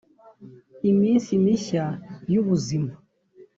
iminsi mishya y’ubuzima